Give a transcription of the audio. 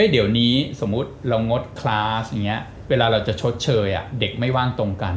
เดี๋ยวนี้สมมุติเรางดคลาสอย่างนี้เวลาเราจะชดเชยเด็กไม่ว่างตรงกัน